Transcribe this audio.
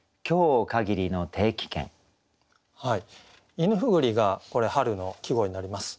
「いぬふぐり」がこれ春の季語になります。